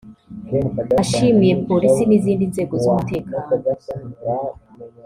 Ashimiye polisi n’izindi nzego z’umutekano